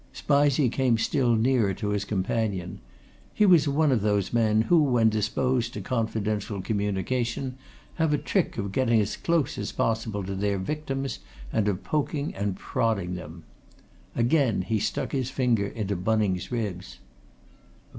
Spizey came still nearer to his companion. He was one of those men who when disposed to confidential communication have a trick of getting as close as possible to their victims, and of poking and prodding them. Again he stuck his finger into Bunning's ribs.